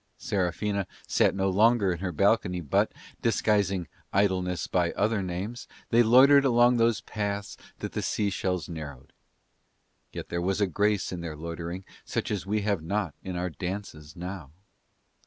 Serafina sat no longer in her balcony but, disguising idleness by other names, they loitered along those paths that the seashells narrowed; yet there was a grace in their loitering such as we have not in our dances now.